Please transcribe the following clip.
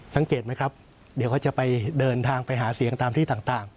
สังเกตไหมครับเดี๋ยวเขาจะไปเดินทางไปหาเสียงตามที่ต่าง